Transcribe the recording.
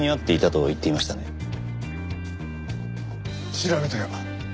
調べたよ。